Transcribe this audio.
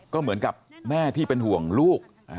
ก็เหมือนกับแม่ที่เป็นห่วงลูก